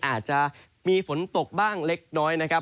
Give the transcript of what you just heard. อาจจะมีฝนตกบ้างเล็กน้อยนะครับ